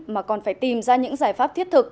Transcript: mà còn phải tìm ra những giải pháp thiết thực